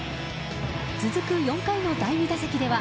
続く４回の第２打席では。